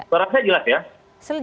sebenarnya jelas ya